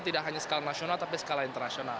tidak hanya skala nasional tapi skala internasional